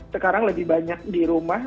sekarang lebih banyak di rumah